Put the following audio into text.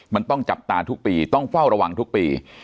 มันต้องจับตาทุกปีต้องเฝ้าระวังทุกปี